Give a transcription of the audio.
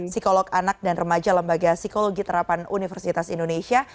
psikolog anak dan remaja lembaga psikologi terapan universitas indonesia